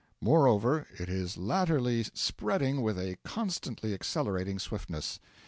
Moreover, it is latterly spreading with a constantly accelerating swiftness.